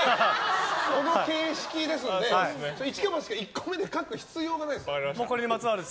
この形式ですんで一か八か１個目で書く必要がないです。